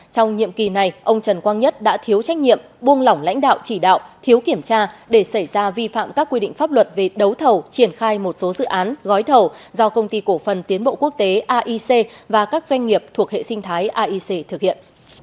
trong nhiệm kỳ này ông trần quang nhất đã thiếu trách nhiệm buông lỏng lãnh đạo chỉ đạo thiếu kiểm tra để xảy ra vi phạm các quy định pháp luật về đấu thầu triển khai một số dự án gói thầu do công ty cổ phần tiến bộ quốc tế aic và các doanh nghiệp thuộc hệ sinh thái aic thực hiện